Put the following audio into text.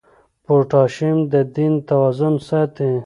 پوټاشیم د بدن توازن ساتي.